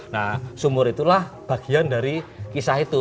nah sumur itulah bagian dari kisah itu